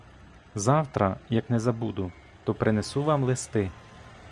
Завтра, як не забуду, то принесу вам листи.